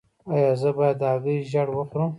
ایا زه باید د هګۍ ژیړ وخورم؟